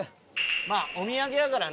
まあお土産やからな。